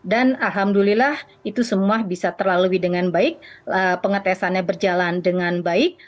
dan alhamdulillah itu semua bisa terlalui dengan baik pengetesannya berjalan dengan baik